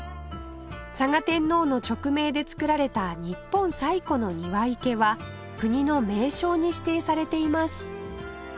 嵯峨天皇の勅命で造られた日本最古の庭池は国の名勝に指定されています